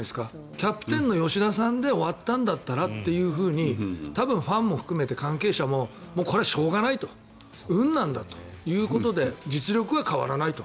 キャプテンの吉田さんで終わったんだったら多分、ファンも含めて関係者もこれはしょうがない運なんだということで実力は変わらないと。